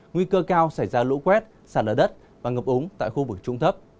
nguy cơ cao xảy ra lũ quét sạt ở đất và ngập úng tại khu vực trung thấp